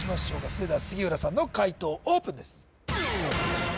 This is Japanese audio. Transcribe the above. それでは杉浦さんの解答オープンです